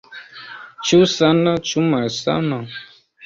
Ĉu sana, ĉu malsana?